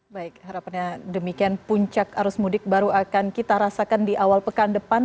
baik harapannya demikian puncak arus mudik baru akan kita rasakan di awal pekan depan